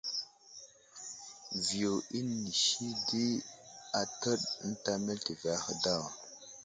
Viyo inisi di atəɗ ənta meltivi ahe daw.